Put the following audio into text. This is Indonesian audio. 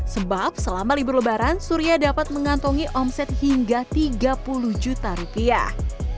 sebab selama libur lebaran surya dapat mengantongi omset hingga tiga puluh juta rupiah